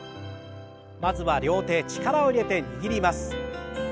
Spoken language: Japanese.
まずは両手力を入れて握ります。